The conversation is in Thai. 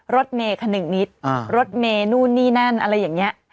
รถเมย์ขนึงนิดรถเมนู่นนี่นั่นอะไรอย่างนี้